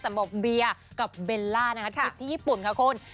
สมบบเบียกับเบลล่านะคะที่ญี่ปุ่นค่ะคุณ